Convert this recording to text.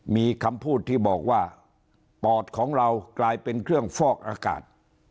มีคำพูดที่บอกว่าปอดของเรากลายเป็นเครื่องฟอกอากาศ